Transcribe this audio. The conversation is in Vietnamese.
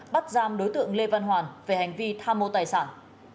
bắt giam đối tượng lê văn hoàn về hành vi tham mô tài sản